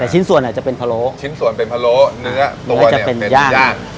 แต่ชิ้นส่วนจะเป็นพะโล้ชิ้นส่วนเป็นพะโล้เนื้อตัวจะเป็นย่าง